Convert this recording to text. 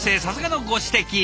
さすがのご指摘！